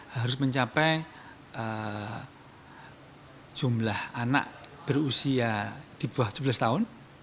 harus mencapai jumlah anak berusia di bawah sebelas tahun